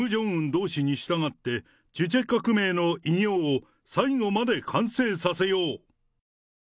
同志に従って、チュチェ革命の偉業を最後まで完成させよう！